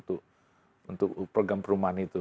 untuk program perumahan itu